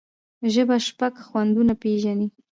ژبه شپږ خوندونه پېژني.